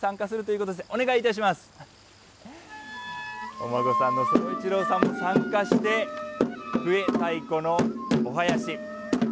お孫さんの奏一朗さんも参加して、笛、太鼓のお囃子。